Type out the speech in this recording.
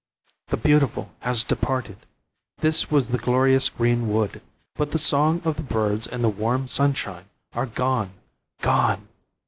"The beautiful has departed! This was the glorious green wood, but the song of the birds and the warm sunshine are gone! gone!"